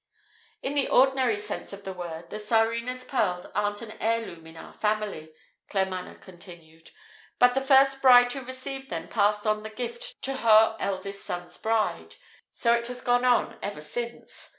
"In the ordinary sense of the word, the Tsarina pearls aren't an heirloom in our family," Claremanagh continued. "But the first bride who received them passed on the gift to her eldest son's bride. So it has gone on ever since.